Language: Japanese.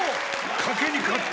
賭けに勝った！